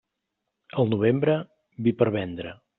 El novembre, vi per vendre.